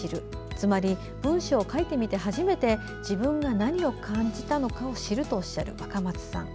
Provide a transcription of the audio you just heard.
つまり、文章を書いてみて初めて、自分が何を感じたのかを知るとおっしゃる、若松さん。